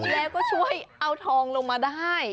แล้วก็ช่วยเอาทองลงมาได้